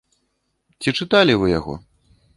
Ці чыталі вы яго?